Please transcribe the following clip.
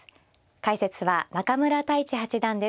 解説は中村太地八段です。